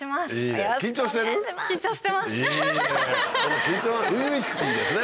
この緊張が初々しくていいですね。